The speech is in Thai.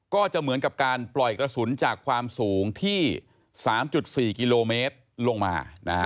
ก็จะเหมือนกับการปล่อยกระสุนจากความสูงที่๓๔กิโลเมตรลงมา